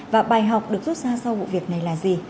và bài học được rút ra sau vụ việc này là gì